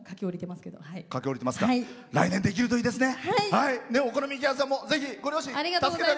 来年、できるといいですね。